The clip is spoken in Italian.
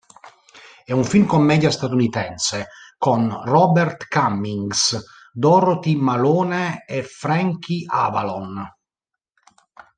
È un film commedia statunitense con Robert Cummings, Dorothy Malone e Frankie Avalon.